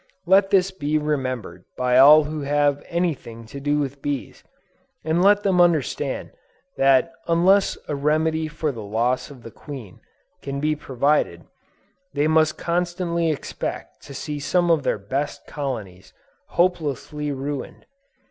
Let this be remembered by all who have any thing to do with bees, and let them understand that unless a remedy for the loss of the queen, can be provided, they must constantly expect to see some of their best colonies hopelessly ruined.